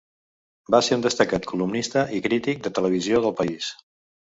Va ser un destacat columnista i crític de televisió d'El País.